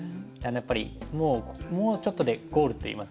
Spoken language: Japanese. やっぱりもうちょっとでゴールといいますかね